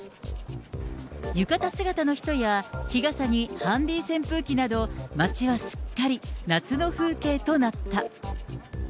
浴衣姿の人や日傘にハンディー扇風機など、街はすっかり夏の風景となった。